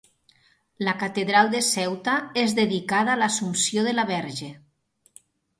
La catedral de Ceuta és dedicada a l'Assumpció de la Verge.